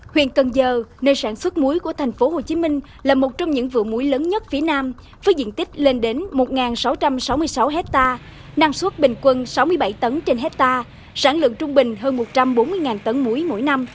huyện cần giờ nơi sản xuất muối của tp hcm là một trong những vựa muối lớn nhất phía nam với diện tích lên đến một sáu trăm sáu mươi sáu hectare năng suất bình quân sáu mươi bảy tấn trên hectare sản lượng trung bình hơn một trăm bốn mươi tấn muối mỗi năm